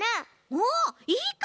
おっいいかも！